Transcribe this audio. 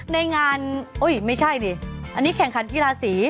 ในงานไม่ใช่ดิอันนี้แข่งขันกีฬาสี